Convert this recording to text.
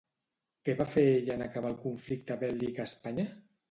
Què va fer ella en acabar el conflicte bèl·lic a Espanya?